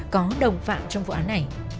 có đồng phạm trong vụ án này